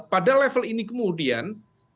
pada level ini kemudian